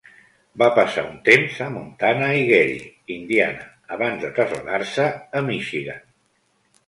Va passar un temps a Montana i Gary, Indiana, abans de traslladar-se a Michigan.